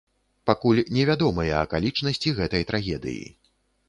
Пакуль невядомыя акалічнасці гэтай трагедыі.